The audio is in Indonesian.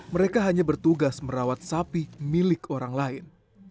mereka hanya bertugas merawat sapi milik orang lain